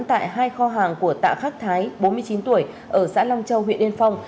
tại hai kho hàng của tạ khắc thái bốn mươi chín tuổi ở xã long châu huyện yên phong